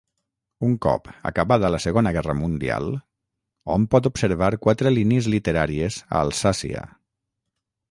Un cop acabada la Segona Guerra Mundial, hom pot observar quatre línies literàries a Alsàcia.